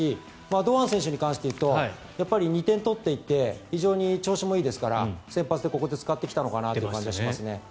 堂安選手に関して言うと２点取っていて非常に調子もいいですから先発でここで使ってきたのかなという感じがしますね。